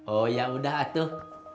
oh yaudah atuh